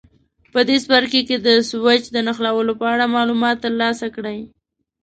په دې څپرکي کې د سویچ د نښلولو په اړه معلومات ترلاسه کړئ.